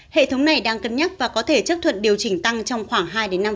hệ thống này đang cân nhắc và có thể chấp thuận điều chỉnh tăng trong khoảng hai năm